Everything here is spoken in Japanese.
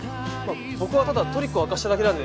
僕はただトリックを明かしただけなんで。